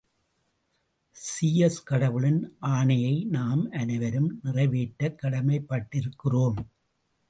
Zeus கடவுளின் ஆணையை நாம் அனைவரும் நிறைவேற்றக் கடமைப்பட்டிருக்கிறோம்.